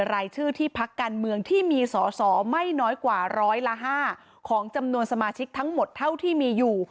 รายชื่อที่พักการเมืองที่มีสอสอไม่น้อยกว่าร้อยละ๕ของจำนวนสมาชิกทั้งหมดเท่าที่มีอยู่